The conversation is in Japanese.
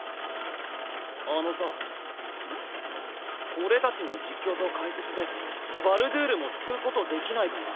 俺たちの実況と解説でバルドゥールも救うことできないかな？